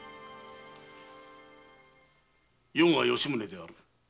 余が吉宗である。